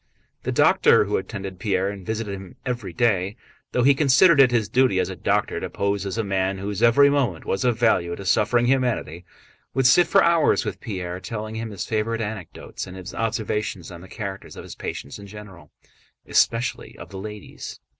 The doctor who attended Pierre and visited him every day, though he considered it his duty as a doctor to pose as a man whose every moment was of value to suffering humanity, would sit for hours with Pierre telling him his favorite anecdotes and his observations on the characters of his patients in general, and especially of the ladies.